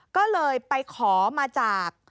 ก็เลยไปขอมาจาก